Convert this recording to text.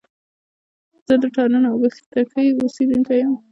زه د تارڼ اوبښتکۍ اوسېدونکی يم